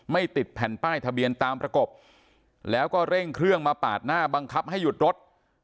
ติดแผ่นป้ายทะเบียนตามประกบแล้วก็เร่งเครื่องมาปาดหน้าบังคับให้หยุดรถ